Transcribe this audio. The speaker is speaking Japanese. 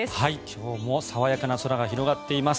今日も爽やかな空が広がっています。